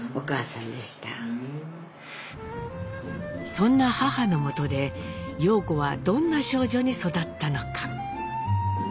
そんな母のもとで様子はどんな少女に育ったのか？